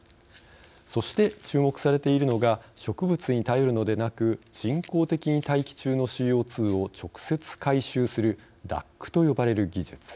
そして、注目されているのが植物に頼るのでなく人工的に大気中のＣＯ２を直接回収する「ＤＡＣ」と呼ばれる技術。